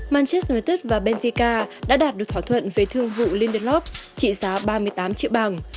manchester united và benfica đã đạt được thỏa thuận về thương vụ lindelof trị giá ba mươi tám triệu bằng